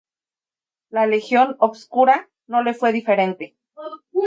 La legión obscura no le fue diferente.